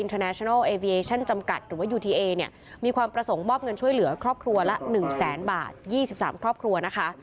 อินเทอร์แนชนัลเอเวียชั่นจำกัดหรือว่ามีความประสงค์มอบเงินช่วยเหลือครอบครัวละหนึ่งแสนบาทยี่สิบสามครอบครัวนะคะ